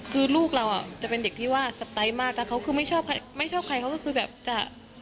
คือลูกเราอ่ะจะเป็นเด็กที่ว่าสไตล์มากแต่เขาคือไม่ชอบใครไม่ชอบใครเขาก็คือแบบจะ